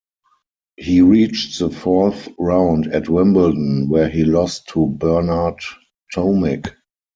He reached the fourth round at Wimbledon, where he lost to Bernard Tomic.